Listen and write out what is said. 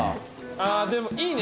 ああでもいいね！